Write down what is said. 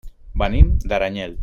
Venim d'Aranyel.